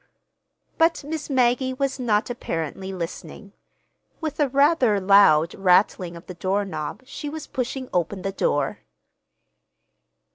But Miss Maggie was not apparently listening. With a rather loud rattling of the doorknob she was pushing open the door.